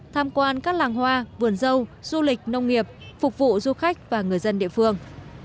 tham quan các làng hoa vườn dâu du lịch nông nghiệp phục vụ du khách và người dân địa phương